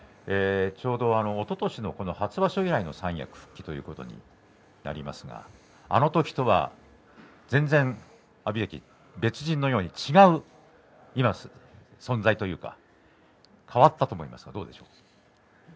ちょうどおととしのこの初場所以来の三役復帰ということになりますがあのときとは全然、阿炎関、別人のように違う存在というか変わったと思いますがどうですか。